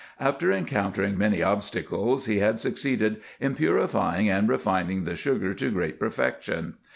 After encountering many obstacles, he had succeeded in purifying and refining the sugar to great per fection.